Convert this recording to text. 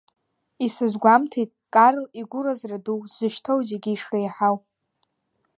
Исызгәамҭеит Карл игәыразра ду сзышьҭоу зегьы ишреиҳау!